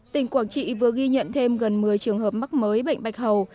tỉnh quảng trị vừa ghi nhận thêm gần một mươi trường hợp mắc mới bệnh bạch hầu